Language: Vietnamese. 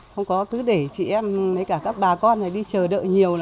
không có cứ để chị em với cả các bà con đi chờ đợi nhiều